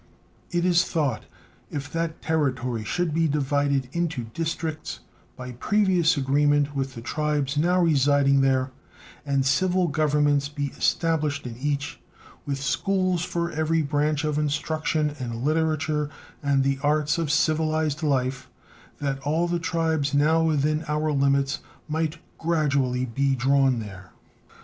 It is thought if that territory should be divided into districts by previous agreement with the tribes now residing there and civil governments be established in each, with schools for every branch of instruction in literature and the arts of civilized life, that all the tribes now within our limits might gradually be drawn there.